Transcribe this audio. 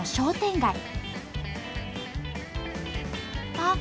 あっ！